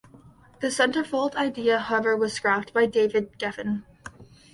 The centerfold idea however was scrapped by David Geffen.